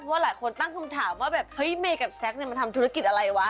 ว่าหลายคนตั้งคำถามว่าแบบเฮ้ยเมย์กับแซคมันทำธุรกิจอะไรวะ